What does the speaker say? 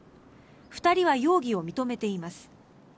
２人は容疑を認めています。